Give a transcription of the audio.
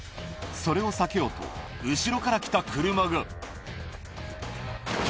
それを避けようと、後ろから来た車が。